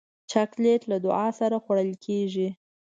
چاکلېټ له دعا سره خوړل کېږي.